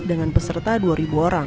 dengan peserta dua orang